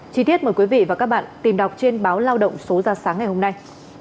chí tiết mời quý vị và các bạn tìm đọc trên báo lao động số ra sáng ngày hôm nay